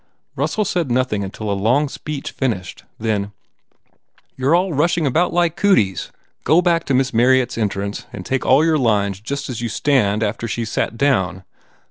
Russell said nothing until a long speech finished, then, "You re all rushing about like cooties. Go back to Miss Marryatt s entrance and take all your lines just as you stand after she s sat down.